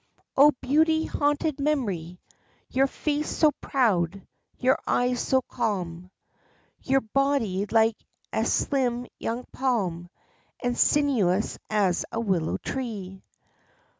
Oh, beauty haunted memory! Your face so proud, your eyes so calm, Your body like a slim young palm, and sinuous as a willow tree.